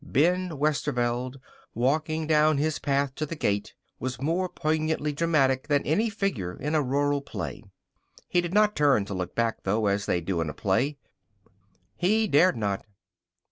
Ben Westerveld, walking down his path to the gate, was more poignantly dramatic than any figure in a rural play. He did not turn to look back, though, as they do in a play. He dared not.